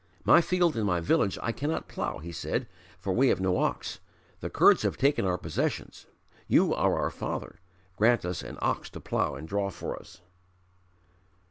"My field in my village I cannot plough," he said, "for we have no ox. The Kurds have taken our possessions, you are our father. Grant us an ox to plough and draw for us."